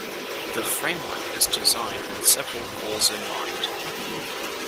The framework is designed with several goals in mind.